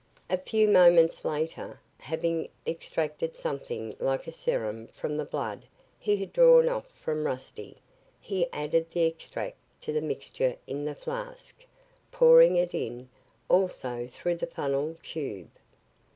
A few moments later, having extracted something like a serum from the blood he had drawn off from Rusty. He added the extract to the mixture in the flask, pouring it in, also through the funnel tube.